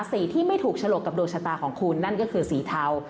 สีที่ไม่ถูกฉลกกับดวงชะตาของคุณนั่นก็คือสีเทา